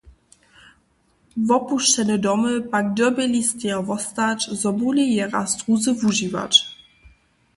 Wopušćene domy pak dyrbjeli stejo wostać, zo móhli je raz druzy wužiwać.